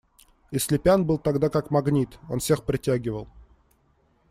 И Слепян был тогда как магнит: он всех притягивал.